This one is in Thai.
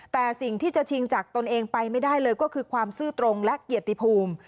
แต่สิ่งที่จะชิงจากตนเองไปไม่ได้เลยก็คือความซื่อตรงและเกียรติภูมิ